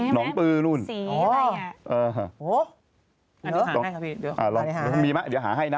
หนองปื้อนู้น